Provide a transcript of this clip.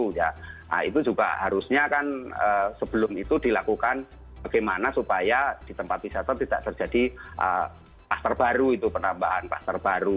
nah itu juga harusnya kan sebelum itu dilakukan bagaimana supaya di tempat wisata tidak terjadi klaster baru itu penambahan kluster baru